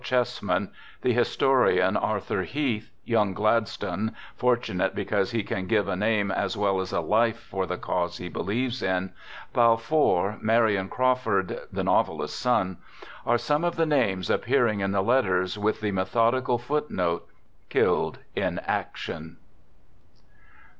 Cheesman the historian, Arthur Heath, young Gladstone (" fortu nate because he can give a name as well as a life for the cause he believes in"), Balfour, Marion Craw Digitized by " THE GOOD SOLDIER " 81 ford (the novelist's son) —— are some of the names appearing in the letters, with the methodical foot note, " killed in action."